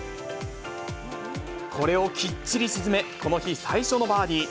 これをきっちり沈め、この日、最初のバーディー。